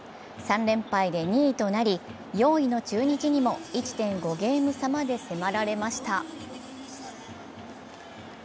３連敗で２位となり、４位の中日にも１．５ゲーム差まで迫られました。